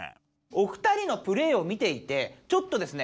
お二人のプレーを見ていてちょっとですね